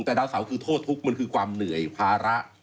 แต่ดาวเสาคือโทษทุกข์มันคือความเหนื่อยภาระ